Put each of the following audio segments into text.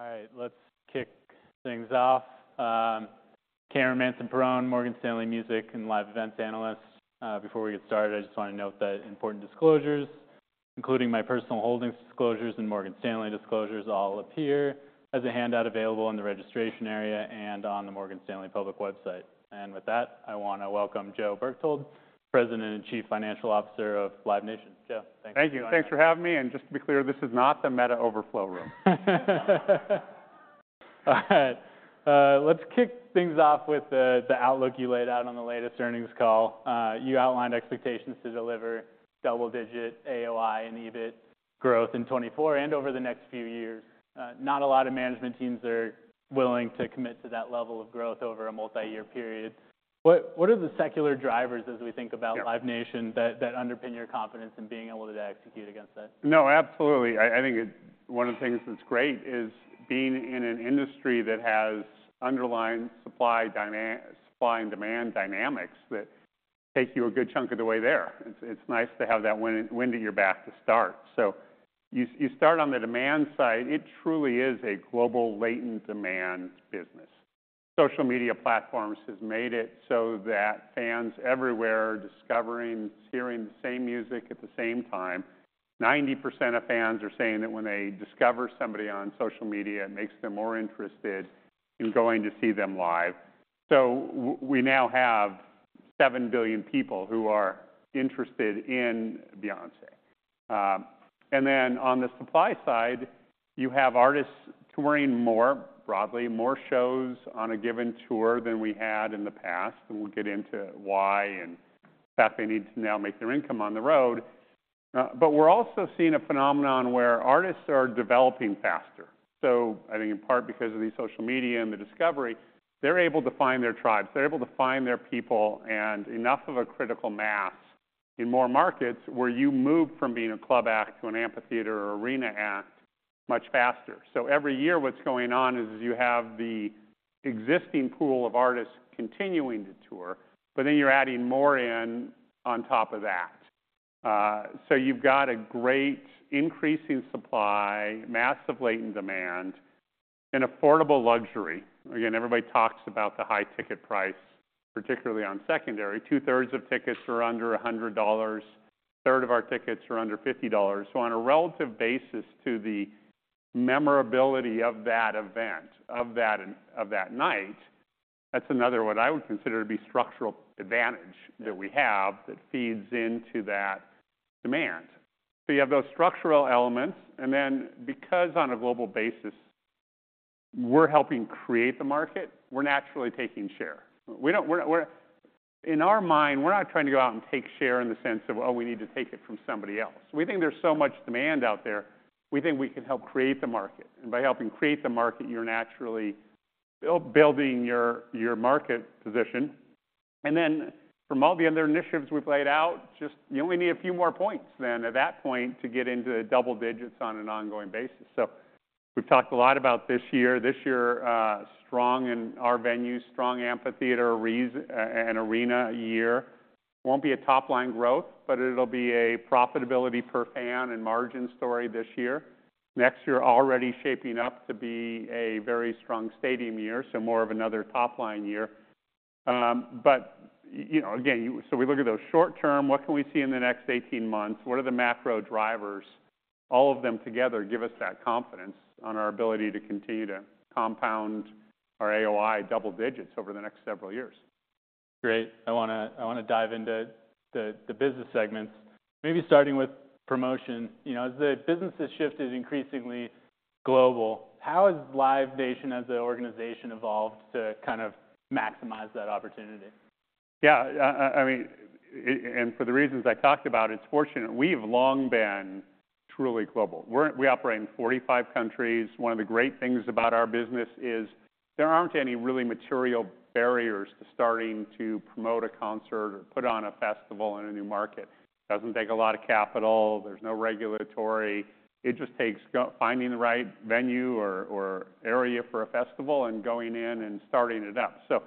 All right, let's kick things off. Cameron Mansson-Perrone, Morgan Stanley Music and Live Events Analyst. Before we get started, I just want to note that important disclosures, including my personal holdings disclosures and Morgan Stanley disclosures, all appear as a handout available in the registration area and on the Morgan Stanley public website. And with that, I want to welcome Joe Berchtold, President and Chief Financial Officer of Live Nation. Joe, thanks. Thank you. Thanks for having me. Just to be clear, this is not the Meta Overflow room. All right. Let's kick things off with the outlook you laid out on the latest earnings call. You outlined expectations to deliver double-digit AOI and EBIT growth in 2024 and over the next few years. Not a lot of management teams are willing to commit to that level of growth over a multi-year period. What are the secular drivers, as we think about Live Nation, that underpin your confidence in being able to execute against that? No, absolutely. I think it's one of the things that's great is being in an industry that has underlying supply and demand dynamics that take you a good chunk of the way there. It's nice to have that wind at your back to start. So you start on the demand side. It truly is a global latent demand business. Social media platforms have made it so that fans everywhere are discovering, hearing the same music at the same time. 90% of fans are saying that when they discover somebody on social media, it makes them more interested in going to see them live. So we now have 7 billion people who are interested in Beyoncé. And then on the supply side, you have artists touring more broadly, more shows on a given tour than we had in the past. We'll get into why and the fact they need to now make their income on the road. But we're also seeing a phenomenon where artists are developing faster. I think in part because of these social media and the discovery, they're able to find their tribes. They're able to find their people and enough of a critical mass in more markets where you move from being a club act to an amphitheater or arena act much faster. Every year, what's going on is you have the existing pool of artists continuing to tour, but then you're adding more in on top of that. You've got a great increasing supply, massive latent demand, and affordable luxury. Again, everybody talks about the high ticket price, particularly on secondary. 2/3 of tickets are under $100. 1/3 of our tickets are under $50. So on a relative basis to the memorability of that event, of that night, that's another what I would consider to be structural advantage that we have that feeds into that demand. So you have those structural elements. And then because on a global basis, we're helping create the market, we're naturally taking share. We're not—in our mind, we're not trying to go out and take share in the sense of, "Oh, we need to take it from somebody else." We think there's so much demand out there, we think we can help create the market. And by helping create the market, you're naturally building your market position. And then from all the other initiatives we've laid out, just you only need a few more points then at that point to get into double digits on an ongoing basis. So we've talked a lot about this year. This year, strong in our venues, strong amphitheater, an arena a year. It won't be a top-line growth, but it'll be a profitability per fan and margin story this year. Next year, already shaping up to be a very strong stadium year, so more of another top-line year. But, you know, again, so we look at those short-term. What can we see in the next 18 months? What are the macro drivers? All of them together give us that confidence on our ability to continue to compound our AOI double digits over the next several years. Great. I want to dive into the business segments, maybe starting with promotion. You know, as the business has shifted increasingly global, how has Live Nation as an organization evolved to kind of maximize that opportunity? Yeah. I mean, and for the reasons I talked about, it's fortunate we've long been truly global. We operate in 45 countries. One of the great things about our business is there aren't any really material barriers to starting to promote a concert or put on a festival in a new market. It doesn't take a lot of capital. There's no regulatory. It just takes finding the right venue or area for a festival and going in and starting it up. So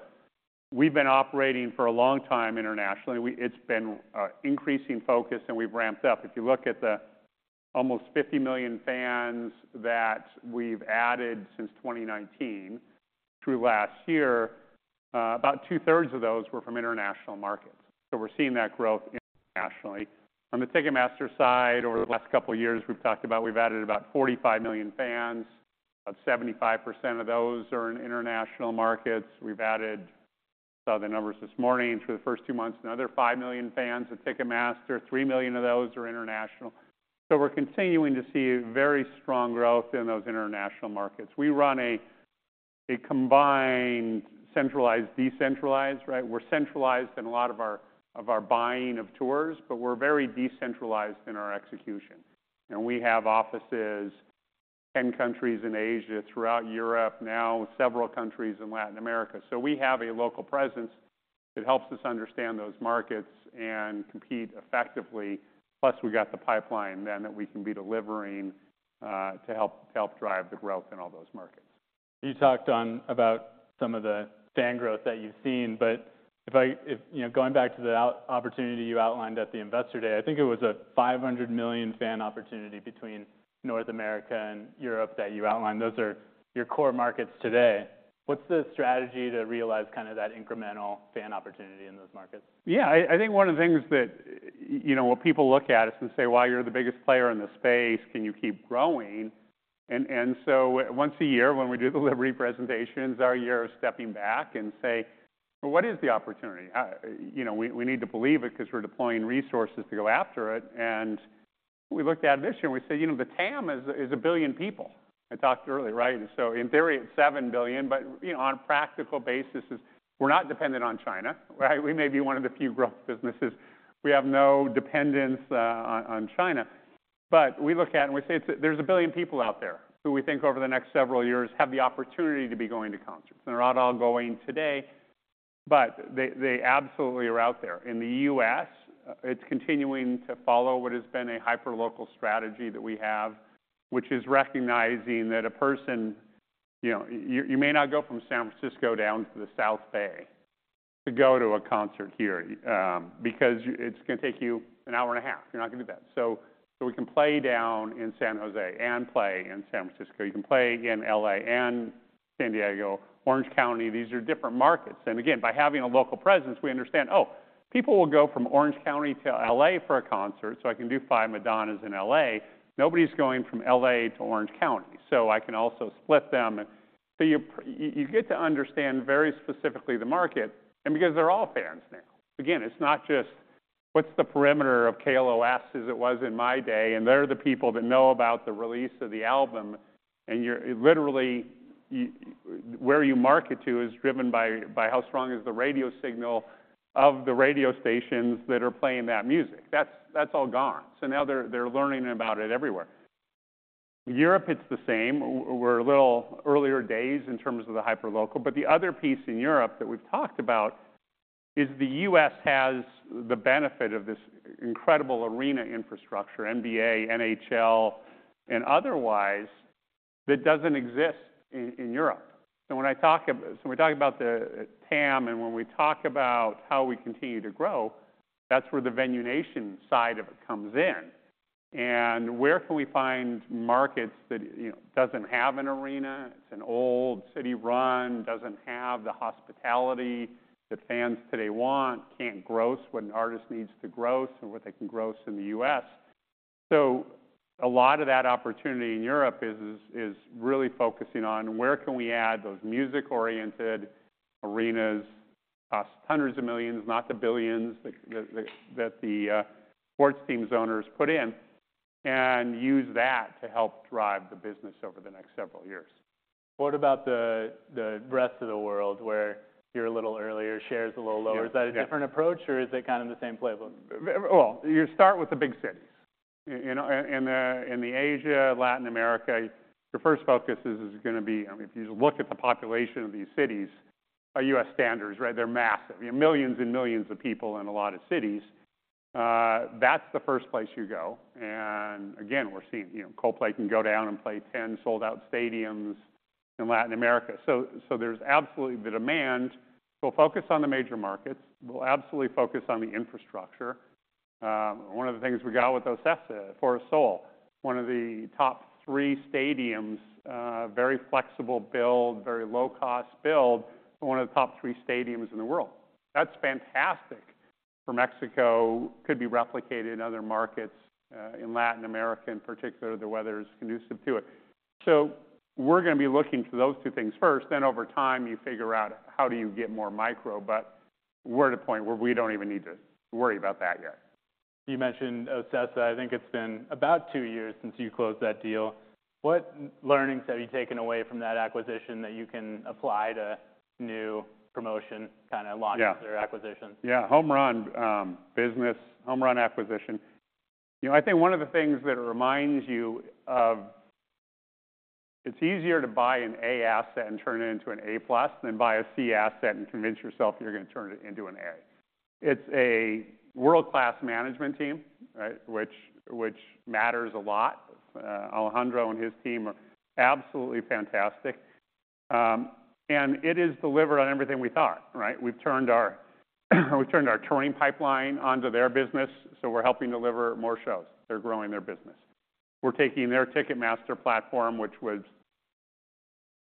we've been operating for a long time internationally. It's been increasing focus, and we've ramped up. If you look at the almost 50 million fans that we've added since 2019 through last year, about 2/3 of those were from international markets. So we're seeing that growth internationally. On the Ticketmaster side, over the last couple of years, we've talked about we've added about 45 million fans. About 75% of those are in international markets. We saw the numbers this morning. Through the first two months, another 5 million fans at Ticketmaster. 3 million of those are international. So we're continuing to see very strong growth in those international markets. We run a combined centralized-decentralized, right? We're centralized in a lot of our buying of tours, but we're very decentralized in our execution. And we have offices in 10 countries in Asia, throughout Europe, now several countries in Latin America. So we have a local presence that helps us understand those markets and compete effectively. Plus, we've got the pipeline then that we can be delivering, to help drive the growth in all those markets. You touched on about some of the fan growth that you've seen. But if I, you know, going back to the opportunity you outlined at the Investor Day, I think it was a 500 million fan opportunity between North America and Europe that you outlined. Those are your core markets today. What's the strategy to realize kind of that incremental fan opportunity in those markets? Yeah. I, I think one of the things that, you know, what people look at is and say, "Why are you the biggest player in the space? Can you keep growing?" And, and so once a year, when we do the Liberty presentations, our year of stepping back and say, "Well, what is the opportunity? How, you know, we, we need to believe it because we're deploying resources to go after it." And we looked at it this year, and we said, you know, the TAM is 1 billion people. I talked earlier, right? So in theory, it's 7 billion. But, you know, on a practical basis, we're not dependent on China, right? We may be one of the few growth businesses. We have no dependence on China. But we look at it, and we say it's, there's 1 billion people out there who we think over the next several years have the opportunity to be going to concerts. And they're not all going today, but they absolutely are out there. In the U.S., it's continuing to follow what has been a hyperlocal strategy that we have, which is recognizing that a person, you know, you may not go from San Francisco down to the South Bay to go to a concert here, because it's going to take you an hour and a half. You're not going to do that. So we can play down in San Jose and play in San Francisco. You can play in L.A. and San Diego. Orange County, these are different markets. And again, by having a local presence, we understand, "Oh, people will go from Orange County to L.A. for a concert. So I can do five Madonnas in L.A. Nobody's going from L.A. to Orange County. So I can also split them." And so you, you, you get to understand very specifically the market. And because they're all fans now, again, it's not just what's the perimeter of KOLs as it was in my day. And they're the people that know about the release of the album. And you're literally you where you market to is driven by, by how strong is the radio signal of the radio stations that are playing that music. That's, that's all gone. So now they're, they're learning about it everywhere. Europe, it's the same. We're a little earlier days in terms of the hyperlocal. But the other piece in Europe that we've talked about is the U.S. has the benefit of this incredible arena infrastructure, NBA, NHL, and otherwise that doesn't exist in Europe. So when I talk about, we talk about the TAM, and when we talk about how we continue to grow, that's where the Venue Nation side of it comes in. And where can we find markets that, you know, doesn't have an arena? It's an old city run, doesn't have the hospitality that fans today want, can't gross what an artist needs to gross and what they can gross in the U.S. So a lot of that opportunity in Europe is really focusing on where can we add those music-oriented arenas cost $hundreds of millions, not the billions that the sports teams' owners put in, and use that to help drive the business over the next several years. What about the rest of the world where you're a little earlier, shares a little lower? Is that a different approach, or is it kind of the same playbook? Well, you start with the big cities. In Asia, Latin America, your first focus is going to be. I mean, if you just look at the population of these cities by U.S. standards, right, they're massive. You know, millions and millions of people in a lot of cities. That's the first place you go. And again, we're seeing, you know, Coldplay can go down and play 10 sold-out stadiums in Latin America. So there's absolutely the demand. So we'll focus on the major markets. We'll absolutely focus on the infrastructure. One of the things we got with those Foro Sol, one of the top three stadiums, very flexible build, very low-cost build, one of the top three stadiums in the world. That's fantastic for Mexico. Could be replicated in other markets, in Latin America, in particular, the weather's conducive to it. We're going to be looking for those two things first. Over time, you figure out how do you get more micro? We're at a point where we don't even need to worry about that yet. You mentioned OCESA. I think it's been about two years since you closed that deal. What learnings have you taken away from that acquisition that you can apply to new promotion kind of launches or acquisitions? Yeah. Yeah. Home run, business, home run acquisition. You know, I think one of the things that reminds you of it's easier to buy an A asset and turn it into an A-plus than buy a C asset and convince yourself you're going to turn it into an A. It's a world-class management team, right, which matters a lot. Alejandro and his team are absolutely fantastic. And it is delivered on everything we thought, right? We've turned our touring pipeline onto their business. So we're helping deliver more shows. They're growing their business. We're taking their Ticketmaster platform, which was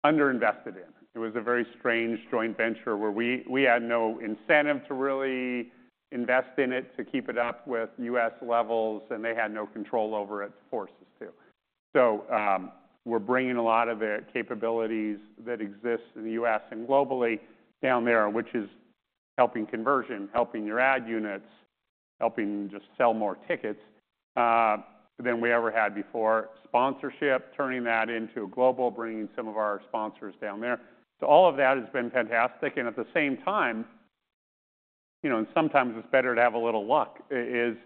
underinvested in. It was a very strange joint venture where we had no incentive to really invest in it, to keep it up with U.S. levels. And they had no control over it, OCESA, too. So, we're bringing a lot of the capabilities that exist in the U.S. and globally down there, which is helping conversion, helping your ad units, helping just sell more tickets than we ever had before. Sponsorship, turning that into a global, bringing some of our sponsors down there. So all of that has been fantastic. And at the same time, you know, and sometimes it's better to have a little luck, is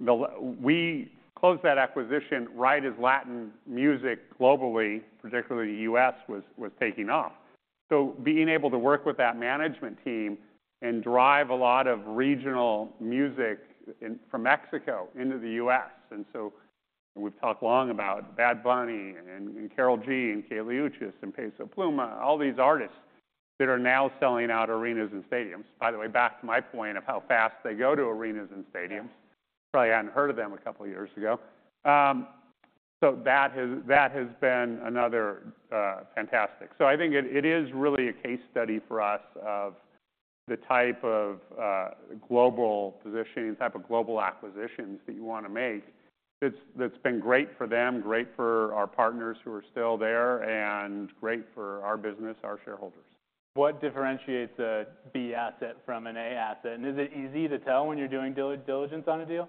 the we closed that acquisition right as Latin music globally, particularly the U.S., was taking off. So being able to work with that management team and drive a lot of regional music in from Mexico into the U.S. And so we've talked long about Bad Bunny and Karol G and Kali Uchis and Peso Pluma, all these artists that are now selling out arenas and stadiums. By the way, back to my point of how fast they go to arenas and stadiums. Probably hadn't heard of them a couple of years ago. So that has been another fantastic. So I think it is really a case study for us of the type of global positioning, the type of global acquisitions that you want to make. That's been great for them, great for our partners who are still there, and great for our business, our shareholders. What differentiates a B asset from an A asset? Is it easy to tell when you're doing diligence on a deal?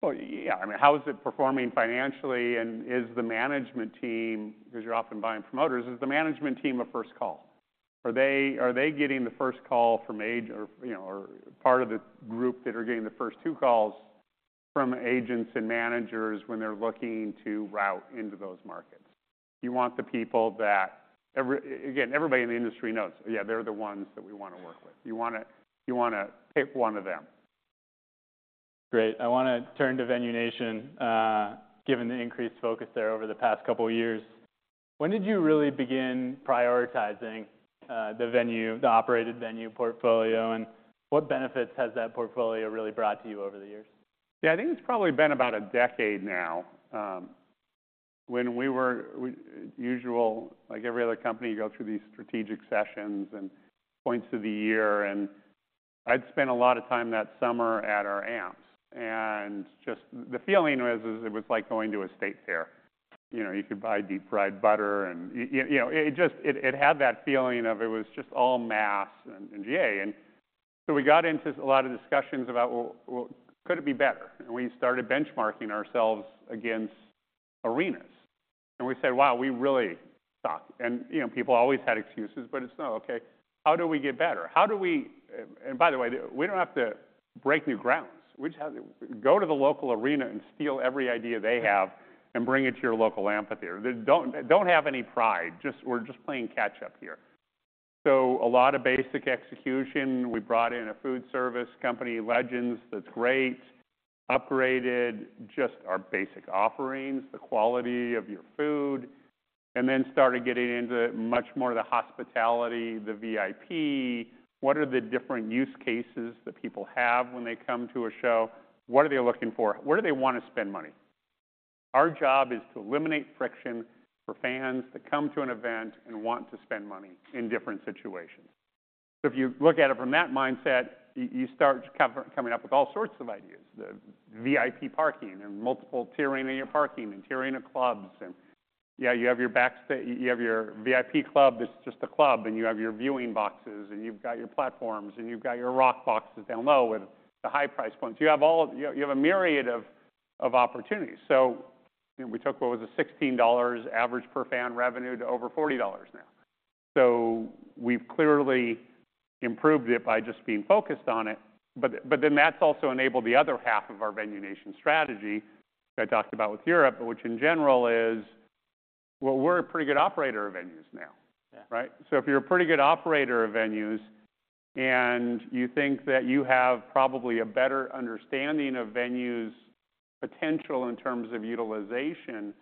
Well, yeah. I mean, how is it performing financially? And is the management team, because you're often buying promoters, is the management team a first call? Are they getting the first call from agent or, you know, or part of the group that are getting the first two calls from agents and managers when they're looking to route into those markets? You want the people that every, again, everybody in the industry knows, yeah, they're the ones that we want to work with. You want to, you want to pick one of them. Great. I want to turn to Venue Nation. Given the increased focus there over the past couple of years, when did you really begin prioritizing, the venue, the operated venue portfolio? And what benefits has that portfolio really brought to you over the years? Yeah. I think it's probably been about a decade now. When we were, as usual, like every other company, you go through these strategic sessions and points of the year. And I'd spent a lot of time that summer at our amps. And just the feeling was, it was like going to a state fair. You know, you could buy deep-fried butter. And, you know, it just had that feeling of it was just all mass and GA. And so we got into a lot of discussions about, well, could it be better? And we started benchmarking ourselves against arenas. And we said, wow, we really suck. And, you know, people always had excuses, but it's no, okay, how do we get better? How do we, and by the way, we don't have to break new grounds. We just have to go to the local arena and steal every idea they have and bring it to your local amphitheater. Don't have any pride. Just, we're just playing catch-up here. So a lot of basic execution. We brought in a food service company, Legends, that's great, upgraded just our basic offerings, the quality of your food, and then started getting into much more of the hospitality, the VIP. What are the different use cases that people have when they come to a show? What are they looking for? Where do they want to spend money? Our job is to eliminate friction for fans that come to an event and want to spend money in different situations. So if you look at it from that mindset, you start coming up with all sorts of ideas, the VIP parking and multiple tiering in your parking and tiering of clubs. And yeah, you have your backstage, you have your VIP club that's just a club, and you have your viewing boxes, and you've got your platforms, and you've got your Rock Boxes down low with the high price points. You have all; you have a myriad of opportunities. So, you know, we took what was a $16 average per fan revenue to over $40 now. So we've clearly improved it by just being focused on it. But then that's also enabled the other half of our Venue Nation strategy that I talked about with Europe, which in general is, well, we're a pretty good operator of venues now, right? So if you're a pretty good operator of venues and you think that you have probably a better understanding of venues' potential in terms of utilization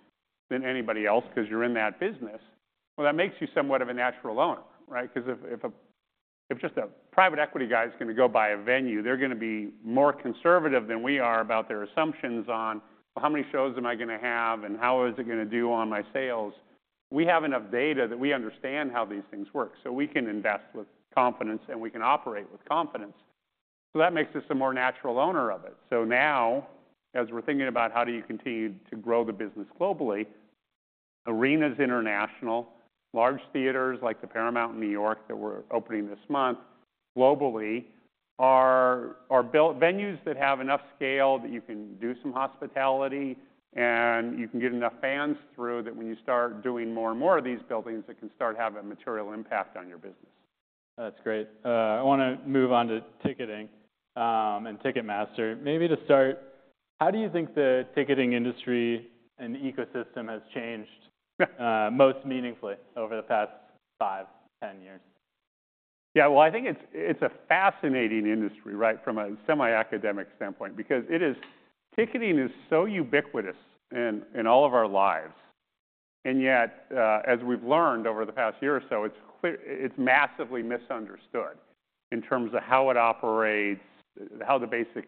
than anybody else because you're in that business, well, that makes you somewhat of a natural owner, right? Because if just a private equity guy is going to go buy a venue, they're going to be more conservative than we are about their assumptions on, well, how many shows am I going to have and how is it going to do on my sales? We have enough data that we understand how these things work, so we can invest with confidence and we can operate with confidence. So that makes us a more natural owner of it. So now, as we're thinking about how do you continue to grow the business globally, arenas international, large theaters like the Paramount in New York that we're opening this month globally are built venues that have enough scale that you can do some hospitality and you can get enough fans through that when you start doing more and more of these buildings, it can start to have a material impact on your business. That's great. I want to move on to ticketing, and Ticketmaster. Maybe to start, how do you think the ticketing industry and ecosystem has changed, most meaningfully over the past five, 10 years? Yeah. Well, I think it's, it's a fascinating industry, right, from a semi-academic standpoint, because it is ticketing is so ubiquitous in, in all of our lives. And yet, as we've learned over the past year or so, it's clear it's massively misunderstood in terms of how it operates, how the basic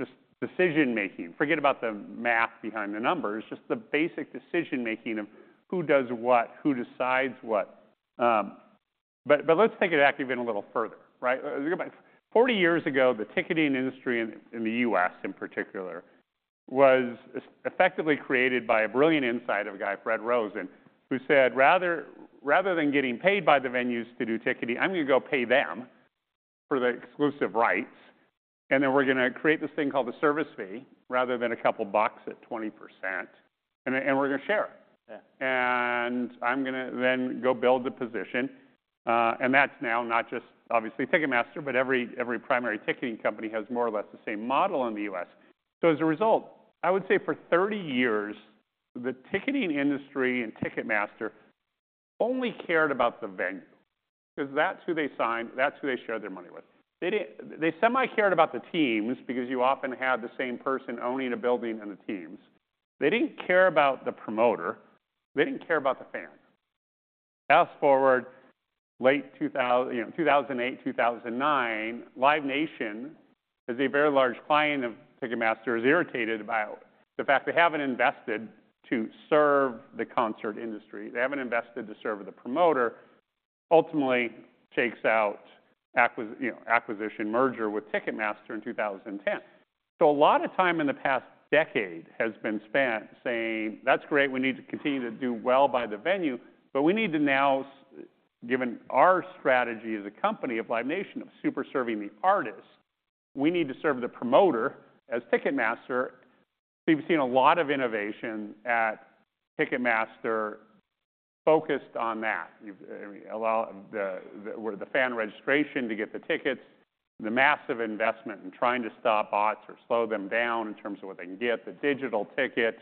just decision-making forget about the math behind the numbers, just the basic decision-making of who does what, who decides what. But, but let's take it actually even a little further, right? 40 years ago, the ticketing industry in, in the U.S. in particular was effectively created by a brilliant insight of a guy, Fred Rosen, who said, rather, rather than getting paid by the venues to do ticketing, I'm going to go pay them for the exclusive rights. And then we're going to create this thing called a service fee rather than a couple bucks at 20%. And we're going to share it. Yeah. I'm going to then go build the position. And that's now not just obviously Ticketmaster, but every primary ticketing company has more or less the same model in the U.S. So as a result, I would say for 30 years, the ticketing industry and Ticketmaster only cared about the venue because that's who they sign, that's who they share their money with. They didn't; they semi-cared about the teams because you often had the same person owning a building and the teams. They didn't care about the promoter. They didn't care about the fans. Fast forward late 2000, you know, 2008, 2009, Live Nation, as a very large client of Ticketmaster, is irritated about the fact they haven't invested to serve the concert industry. They haven't invested to serve the promoter. Ultimately, it shakes out acquisition, you know, acquisition merger with Ticketmaster in 2010. So a lot of time in the past decade has been spent saying, that's great, we need to continue to do well by the venue, but we need to now, given our strategy as a company of Live Nation of super serving the artists, we need to serve the promoter as Ticketmaster. So you've seen a lot of innovation at Ticketmaster focused on that. You've allowed the fan registration to get the tickets, the massive investment in trying to stop bots or slow them down in terms of what they can get, the digital ticket,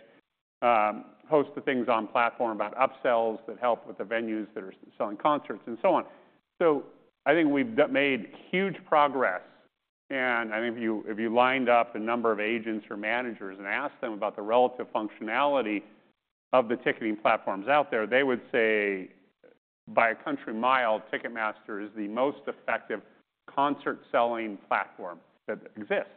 host the things on platform about upsells that help with the venues that are selling concerts and so on. So I think we've made huge progress. I think if you lined up a number of agents or managers and asked them about the relative functionality of the ticketing platforms out there, they would say, by a country mile, Ticketmaster is the most effective concert-selling platform that exists.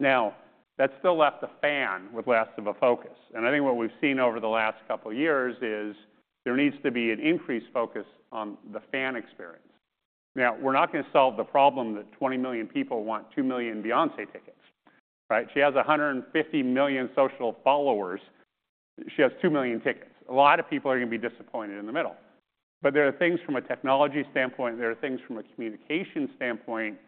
Now, that's still left the fan with less of a focus. I think what we've seen over the last couple of years is there needs to be an increased focus on the fan experience. Now, we're not going to solve the problem that 20 million people want 2 million Beyoncé tickets, right? She has 150 million social followers. She has 2 million tickets. A lot of people are going to be disappointed in the middle. But there are things from a technology standpoint, there are things from a communication standpoint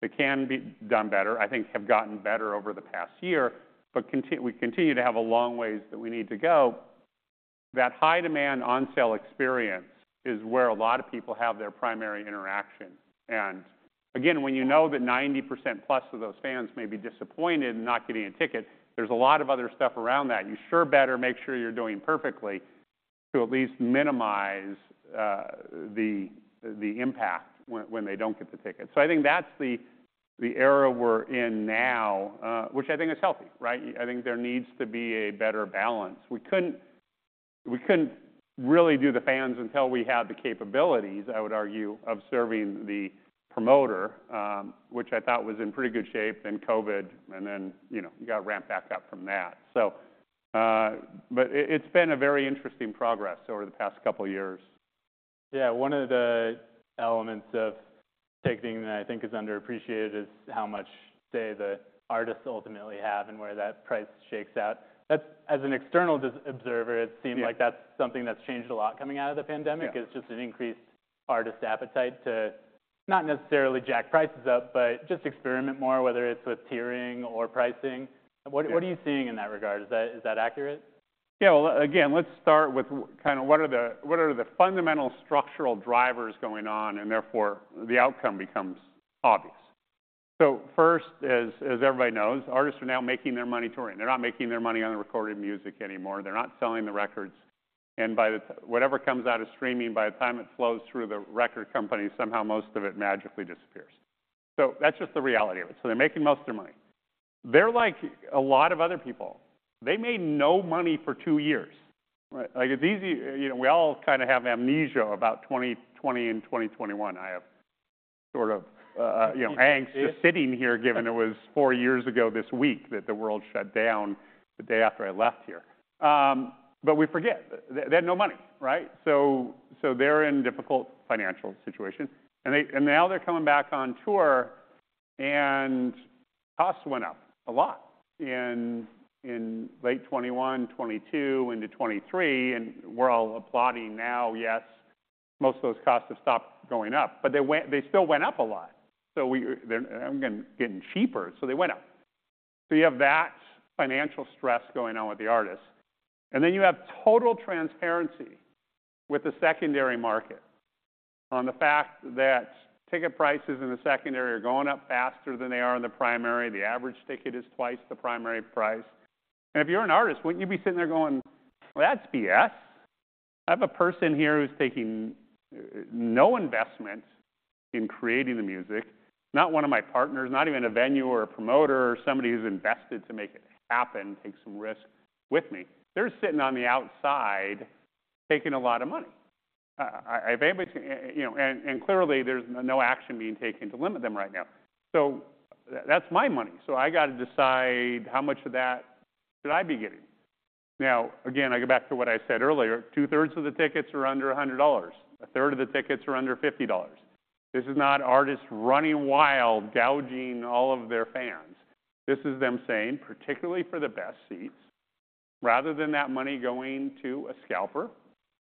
that can be done better, I think have gotten better over the past year, but we continue to have a long ways that we need to go. That high demand on-sale experience is where a lot of people have their primary interaction. And again, when you know that 90%+ of those fans may be disappointed and not getting a ticket, there's a lot of other stuff around that. You sure better make sure you're doing perfectly to at least minimize the impact when they don't get the ticket. So I think that's the era we're in now, which I think is healthy, right? I think there needs to be a better balance. We couldn't really do the fans until we had the capabilities, I would argue, of serving the promoter, which I thought was in pretty good shape in COVID and then, you know, you got ramped back up from that. So, but it's been a very interesting progress over the past couple of years. Yeah. One of the elements of ticketing that I think is underappreciated is how much, say, the artists ultimately have and where that price shakes out. That's, as an external observer, it seemed like that's something that's changed a lot coming out of the pandemic, is just an increased artist appetite to not necessarily jack prices up, but just experiment more, whether it's with tiering or pricing. What are you seeing in that regard? Is that accurate? Yeah. Well, again, let's start with kind of what are the fundamental structural drivers going on, and therefore the outcome becomes obvious. So first, as everybody knows, artists are now making their money touring. They're not making their money on the recorded music anymore. They're not selling the records. And by the time whatever comes out of streaming, by the time it flows through the record company, somehow most of it magically disappears. So that's just the reality of it. So they're making most of their money. They're like a lot of other people. They made no money for two years, right? Like it's easy, you know, we all kind of have amnesia about 2020 and 2021. I have sort of, you know, angst just sitting here given it was four years ago this week that the world shut down the day after I left here. but we forget they had no money, right? So, they're in a difficult financial situation. And now they're coming back on tour and costs went up a lot in late 2021, 2022, into 2023. And we're all applauding now, yes, most of those costs have stopped going up, but they still went up a lot. So, they're getting cheaper. So they went up. So you have that financial stress going on with the artists. And then you have total transparency with the secondary market on the fact that ticket prices in the secondary are going up faster than they are in the primary. The average ticket is twice the primary price. And if you're an artist, wouldn't you be sitting there going, well, that's BS. I have a person here who's taking no investment in creating the music, not one of my partners, not even a venue or a promoter or somebody who's invested to make it happen, take some risk with me. They're sitting on the outside taking a lot of money. If anybody's, you know, and clearly there's no action being taken to limit them right now. So that's my money. So I got to decide how much of that should I be getting? Now, again, I go back to what I said earlier. 2/3 of the tickets are under $100. 1/3 of the tickets are under $50. This is not artists running wild, gouging all of their fans. This is them saying, particularly for the best seats, rather than that money going to a scalper,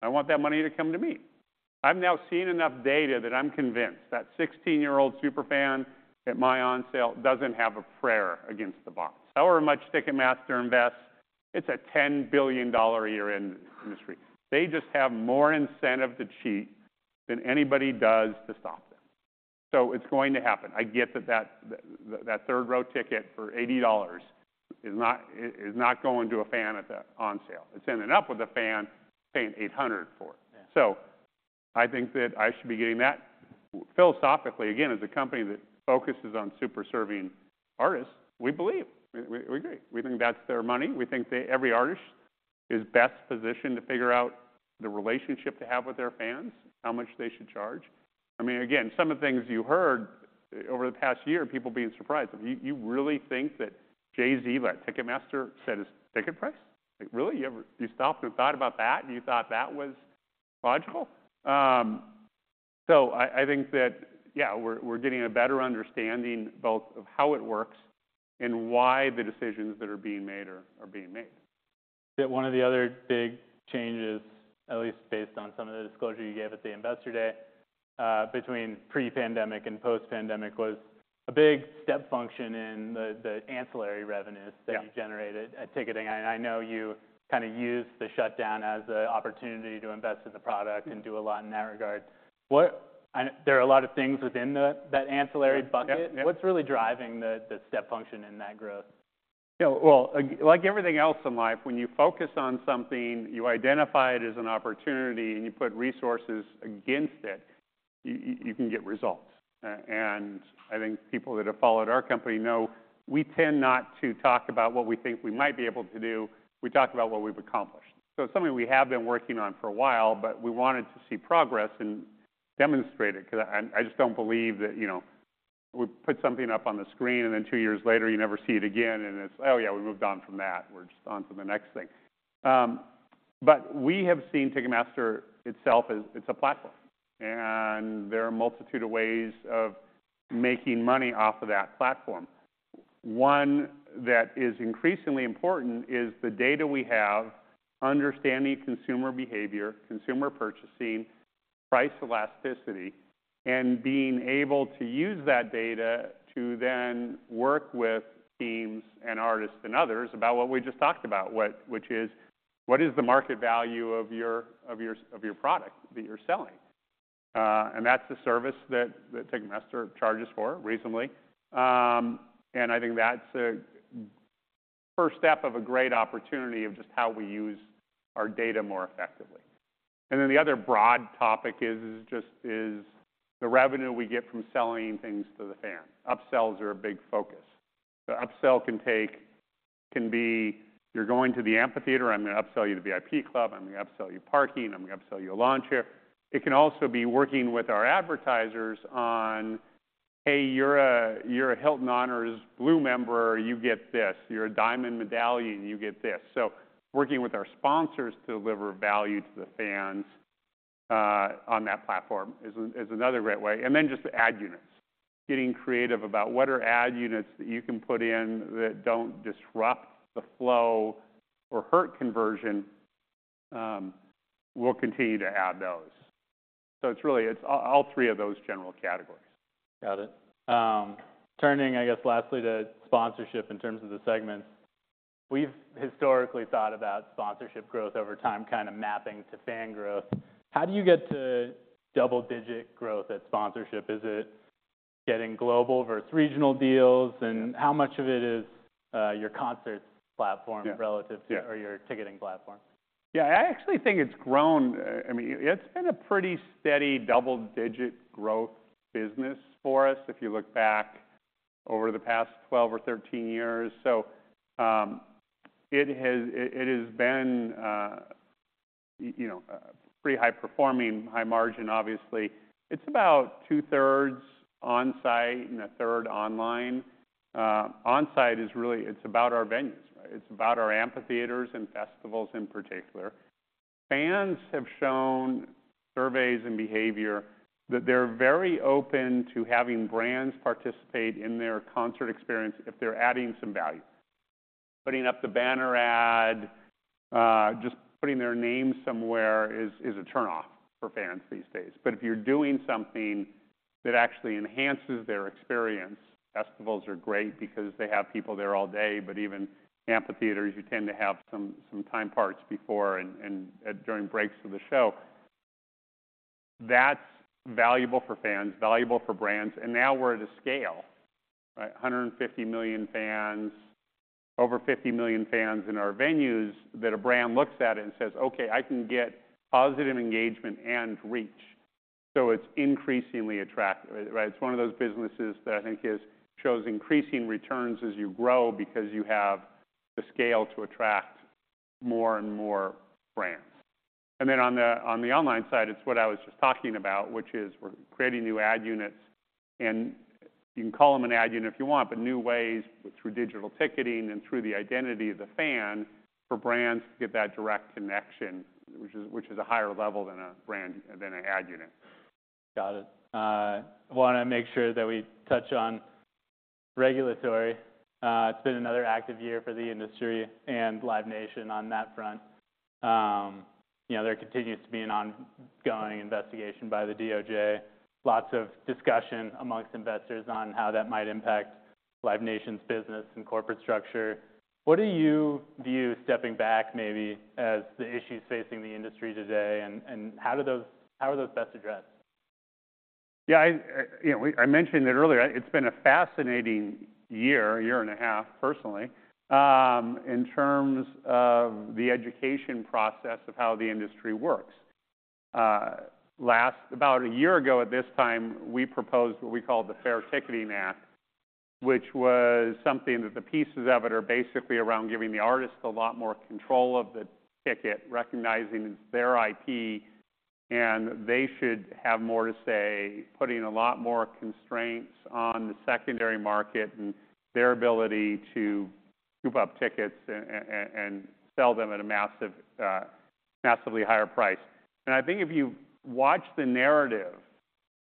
I want that money to come to me. I'm now seeing enough data that I'm convinced that 16-year-old superfan at my on-sale doesn't have a prayer against the bots. However much Ticketmaster invests, it's a $10 billion a year industry. They just have more incentive to cheat than anybody does to stop them. So it's going to happen. I get that that third-row ticket for $80 is not going to a fan at the on-sale. It's ending up with a fan paying $800 for it. So I think that I should be getting that. Philosophically, again, as a company that focuses on super serving artists, we believe, we agree, we think that's their money. We think that every artist is best positioned to figure out the relationship to have with their fans, how much they should charge. I mean, again, some of the things you heard over the past year, people being surprised of, you really think that Jay-Z, like Ticketmaster, set his ticket price? Like, really? You ever stopped and thought about that? You thought that was logical? So I think that, yeah, we're getting a better understanding both of how it works and why the decisions that are being made are being made. One of the other big changes, at least based on some of the disclosure you gave at the Investor Day, between pre-pandemic and post-pandemic, was a big step function in the ancillary revenues that you generated at ticketing. I know you kind of used the shutdown as an opportunity to invest in the product and do a lot in that regard. What, there are a lot of things within that ancillary bucket. What's really driving the step function in that growth? Yeah. Well, like everything else in life, when you focus on something, you identify it as an opportunity and you put resources against it, you can get results. And I think people that have followed our company know we tend not to talk about what we think we might be able to do. We talk about what we've accomplished. So it's something we have been working on for a while, but we wanted to see progress and demonstrate it because I just don't believe that, you know, we put something up on the screen and then two years later you never see it again and it's, oh yeah, we moved on from that. We're just on to the next thing. But we have seen Ticketmaster itself as it's a platform and there are a multitude of ways of making money off of that platform. One that is increasingly important is the data we have, understanding consumer behavior, consumer purchasing, price elasticity, and being able to use that data to then work with teams and artists and others about what we just talked about, which is what is the market value of your product that you're selling? And that's the service that Ticketmaster charges for reasonably. And I think that's a first step of a great opportunity of just how we use our data more effectively. And then the other broad topic is just the revenue we get from selling things to the fans. Upsells are a big focus. The upsell can be you're going to the amphitheater, I'm going to upsell you the VIP club, I'm going to upsell you parking, I'm going to upsell you a lawn chair. It can also be working with our advertisers on, hey, you're a you're a Hilton Honors Blue member, you get this. You're a Diamond Medallion, you get this. So working with our sponsors to deliver value to the fans, on that platform is another great way. And then just the ad units, getting creative about what are ad units that you can put in that don't disrupt the flow or hurt conversion. We'll continue to add those. So it's really it's all three of those general categories. Got it. Turning, I guess, lastly to sponsorship in terms of the segments. We've historically thought about sponsorship growth over time kind of mapping to fan growth. How do you get to double-digit growth at sponsorship? Is it getting global versus regional deals? And how much of it is your concert platform relative to or your ticketing platform? Yeah, I actually think it's grown. I mean, it's been a pretty steady double-digit growth business for us if you look back over the past 12 or 13 years. So, it has it has been, you know, pretty high performing, high margin, obviously. It's about 2/3 on-site and 1/3 online. On-site is really it's about our venues, right? It's about our amphitheaters and festivals in particular. Fans have shown surveys and behavior that they're very open to having brands participate in their concert experience if they're adding some value. Putting up the banner ad, just putting their name somewhere is is a turn-off for fans these days. But if you're doing something that actually enhances their experience, festivals are great because they have people there all day. But even amphitheaters, you tend to have some some time parts before and and during breaks of the show. That's valuable for fans, valuable for brands. And now we're at a scale, right? 150 million fans, over 50 million fans in our venues that a brand looks at it and says, okay, I can get positive engagement and reach. So it's increasingly attractive, right? It's one of those businesses that I think shows increasing returns as you grow because you have the scale to attract more and more brands. And then on the online side, it's what I was just talking about, which is we're creating new ad units. And you can call them an ad unit if you want, but new ways through digital ticketing and through the identity of the fan for brands to get that direct connection, which is a higher level than a brand than an ad unit. Got it. Want to make sure that we touch on regulatory. It's been another active year for the industry and Live Nation on that front. You know, there continues to be an ongoing investigation by the DOJ, lots of discussion amongst investors on how that might impact Live Nation's business and corporate structure. What do you view stepping back maybe as the issues facing the industry today and how do those how are those best addressed? Yeah, you know, I mentioned it earlier. It's been a fascinating year, a year and a half personally, in terms of the education process of how the industry works. Last about a year ago at this time, we proposed what we called the Fair Ticketing Act, which was something that the pieces of it are basically around giving the artists a lot more control of the ticket, recognizing it's their IP and they should have more to say, putting a lot more constraints on the Secondary Market and their ability to scoop up tickets and sell them at a massive, massively higher price. I think if you watch the narrative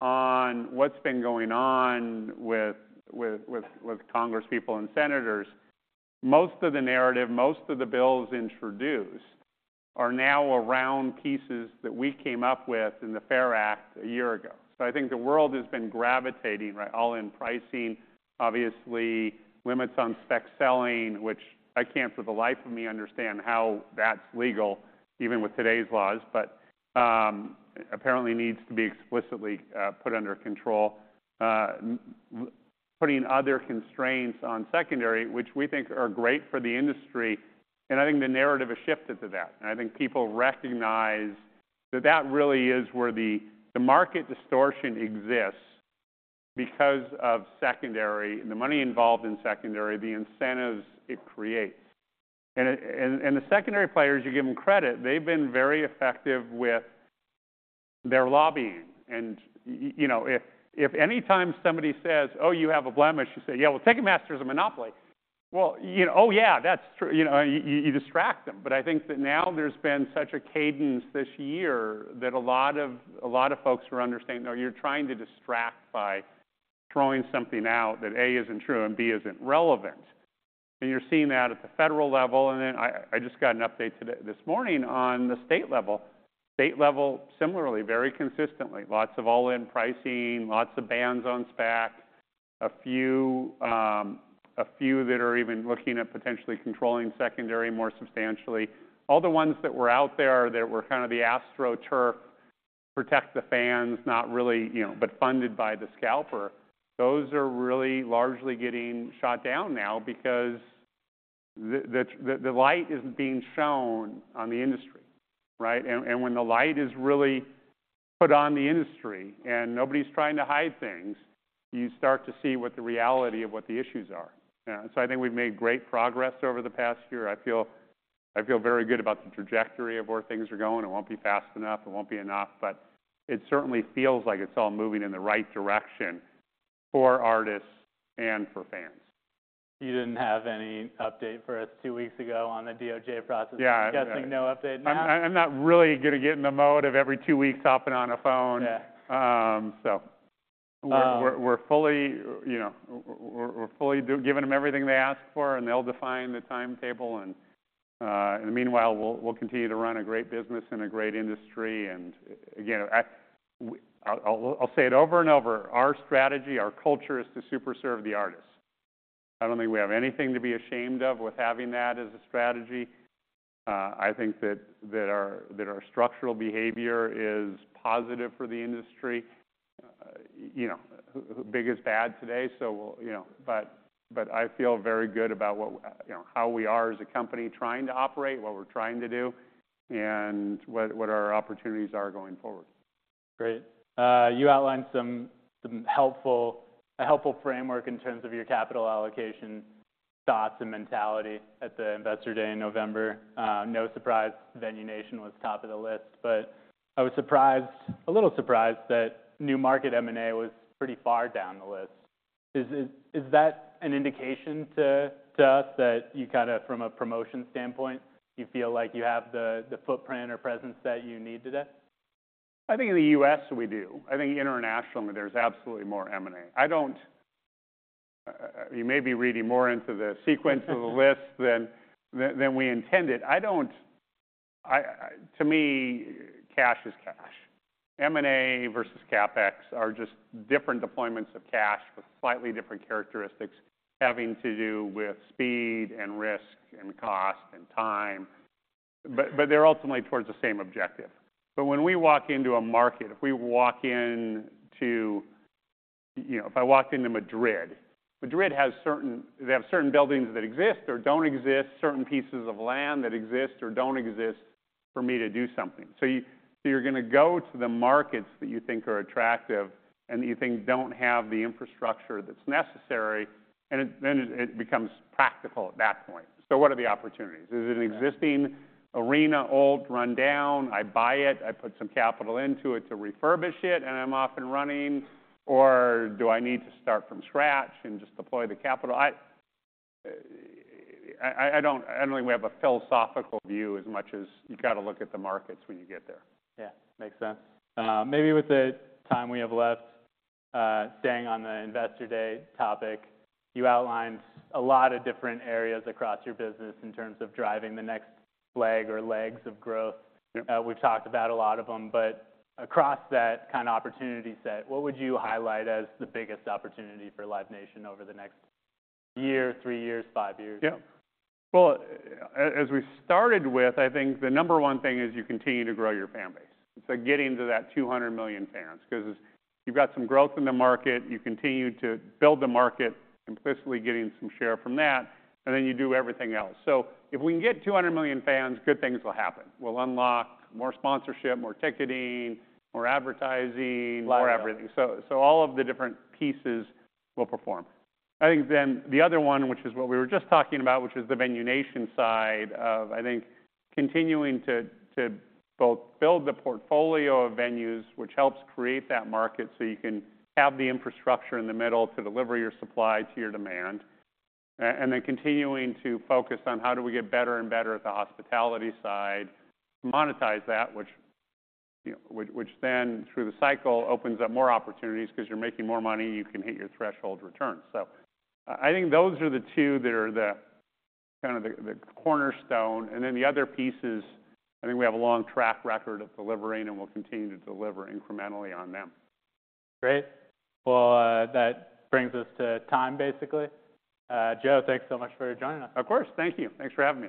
on what's been going on with Congresspeople and senators, most of the narrative, most of the bills introduced are now around pieces that we came up with in the FAIR Act a year ago. So I think the world has been gravitating, right, all in pricing, obviously limits on spec selling, which I can't for the life of me understand how that's legal, even with today's laws, but, apparently needs to be explicitly put under control, putting other constraints on secondary, which we think are great for the industry. I think the narrative has shifted to that. I think people recognize that that really is where the market distortion exists because of secondary and the money involved in secondary, the incentives it creates. The secondary players, you give them credit, they've been very effective with their lobbying. And, you know, if anytime somebody says, oh, you have a blemish, you say, yeah, well, Ticketmaster's a monopoly. Well, you know, oh yeah, that's true. You know, you distract them. But I think that now there's been such a cadence this year that a lot of folks are understanding, no, you're trying to distract by throwing something out that A isn't true and B isn't relevant. And you're seeing that at the federal level. And then I just got an update today this morning on the state level. State level, similarly, very consistently, lots of all-in pricing, lots of bans on spec, a few that are even looking at potentially controlling secondary more substantially. All the ones that were out there that were kind of the astroturf, protect the fans, not really, you know, but funded by the scalper, those are really largely getting shot down now because the light isn't being shown on the industry, right? And when the light is really put on the industry and nobody's trying to hide things, you start to see what the reality of what the issues are. And so I think we've made great progress over the past year. I feel very good about the trajectory of where things are going. It won't be fast enough. It won't be enough. But it certainly feels like it's all moving in the right direction for artists and for fans. You didn't have any update for us two weeks ago on the DOJ process. I'm guessing no update now. I'm not really going to get in the mode of every two weeks hopping on a phone. Yeah, so we're fully, you know, we're fully giving them everything they ask for and they'll define the timetable. And, in the meanwhile, we'll continue to run a great business in a great industry. And again, I'll say it over and over. Our strategy, our culture is to super serve the artists. I don't think we have anything to be ashamed of with having that as a strategy. I think that our structural behavior is positive for the industry. You know, big is bad today. So we'll, you know, but I feel very good about what, you know, how we are as a company trying to operate, what we're trying to do and what our opportunities are going forward. Great. You outlined some helpful framework in terms of your capital allocation thoughts and mentality at the Investor Day in November. No surprise Venue Nation was top of the list, but I was a little surprised that New Market M&A was pretty far down the list. Is that an indication to us that you kind of from a promotion standpoint feel like you have the footprint or presence that you need today? I think in the U.S. we do. I think internationally there's absolutely more M&A. I don't, you may be reading more into the sequence of the list than we intended. I don't, to me, cash is cash. M&A versus CapEx are just different deployments of cash with slightly different characteristics, having to do with speed and risk and cost and time. But they're ultimately towards the same objective. But when we walk into a market, if we walk into you know, if I walked into Madrid, Madrid has certain buildings that exist or don't exist, certain pieces of land that exist or don't exist for me to do something. So you're going to go to the markets that you think are attractive and that you think don't have the infrastructure that's necessary. And then it becomes practical at that point. So what are the opportunities? Is it an existing arena, old, run down? I buy it. I put some capital into it to refurbish it and I'm off and running. Or do I need to start from scratch and just deploy the capital? I don't think we have a philosophical view as much as you got to look at the markets when you get there. Yeah, makes sense. Maybe with the time we have left, staying on the Investor Day topic, you outlined a lot of different areas across your business in terms of driving the next leg or legs of growth. We've talked about a lot of them, but across that kind of opportunity set, what would you highlight as the biggest opportunity for Live Nation over the next year, three years, five years? Yeah. Well, as we started with, I think the number one thing is you continue to grow your fan base. It's like getting to that 200 million fans because you've got some growth in the market. You continue to build the market, implicitly getting some share from that. And then you do everything else. So if we can get 200 million fans, good things will happen. We'll unlock more sponsorship, more ticketing, more advertising, more everything. So, all of the different pieces will perform. I think then the other one, which is what we were just talking about, which is the Venue Nation side of, I think, continuing to both build the portfolio of venues, which helps create that market so you can have the infrastructure in the middle to deliver your supply to your demand, and then continuing to focus on how do we get better and better at the hospitality side, monetize that, which, you know, which then through the cycle opens up more opportunities because you're making more money, you can hit your threshold returns. So I think those are the two that are the kind of the cornerstone. And then the other pieces, I think we have a long track record of delivering and we'll continue to deliver incrementally on them. Great. Well, that brings us to time, basically. Joe, thanks so much for joining us. Of course. Thank you. Thanks for having me.